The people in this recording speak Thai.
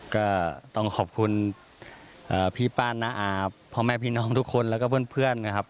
ก็ต้องขอบคุณพี่ป้าน้าอาพ่อแม่พี่น้องทุกคนแล้วก็เพื่อนนะครับ